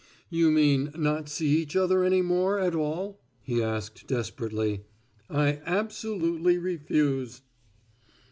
"You mean not see each other any more at all?" he asked desperately. "I absolutely refuse."